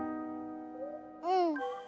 うん。